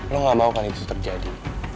lo gak mau kan itu terjadi